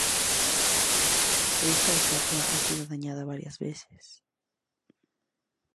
Esta estatua ha sido dañada varias veces.